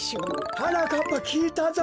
はなかっぱきいたぞ。